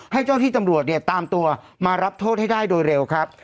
ให้เจ้าที่ตำรวจเนี่ยตามตัวมารับโทษให้ได้โดยเร็วครับ